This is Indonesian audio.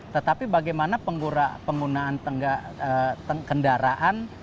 tetapi bagaimana penggunaan kendaraan